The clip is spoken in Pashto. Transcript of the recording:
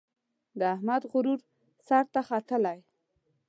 د احمد غرور سر ته ختلی.